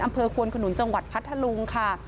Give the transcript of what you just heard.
ควนขนุนจังหวัดพัทธลุงค่ะ